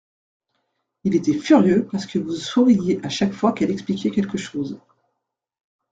Il était furieux parce que vous souriiez à chaque fois qu’il expliquait quelque chose.